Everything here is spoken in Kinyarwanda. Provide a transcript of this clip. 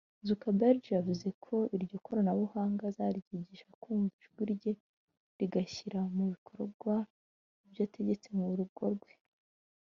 Zuckerberg yavuze ko iryo koranabuhanga azaryigisha kumva ijwi rye rigashyira mu bikorwa ibyo ategetse mu rugo rwe